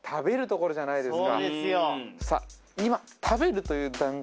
さあ